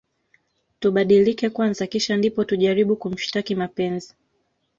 Tubadilike kwanza kisha ndipo tujaribu kumshtaki mapenzi